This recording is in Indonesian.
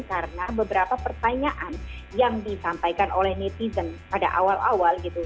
karena beberapa pertanyaan yang disampaikan oleh netizen pada awal awal gitu